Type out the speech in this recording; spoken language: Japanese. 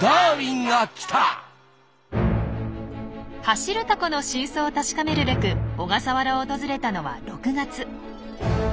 走るタコの真相を確かめるべく小笠原を訪れたのは６月。